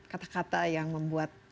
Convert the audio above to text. kata kata yang membuat